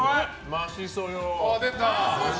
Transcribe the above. マシソヨ。